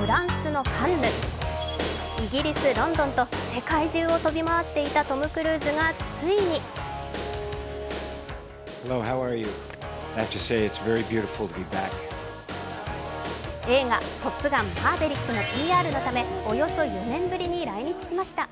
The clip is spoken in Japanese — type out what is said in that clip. フランスのカンヌ、イギリス・ロンドンと世界中を飛び回っていたトム・クルーズがついに映画「トップガンマーヴェリック」のＰＲのため、およそ４年ぶりに来日しました。